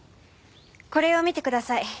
これを見てください。